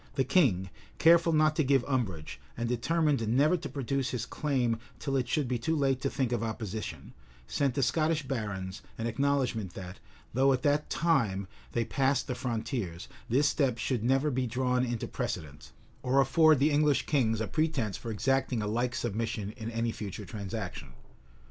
the king, careful not to give umbrage, and determined never to produce his claim till it should be too late to think of opposition, sent the Scottish barons an acknowledgment, that, though at that time they passed the frontiers, this step should never be drawn into precedent, or afford the English kings a pretence for exacting a like submission in any future transaction.